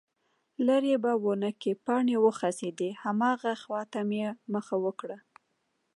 ليرې په ونو کې پاڼې وخوځېدې، هماغې خواته مې مخه کړه،